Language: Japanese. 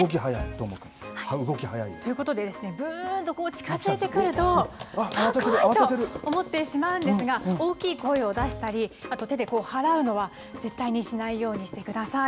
どーもくん、ということでですね、ぶーんと、こう、近づいてくると、あっ、怖いと思ってしまうんですが、大きい声を出したり、あと、手で払うのは、絶対にしないようにしてください。